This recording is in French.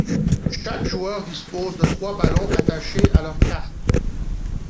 Chaque joueur dispose de trois ballons attachés à leur kart.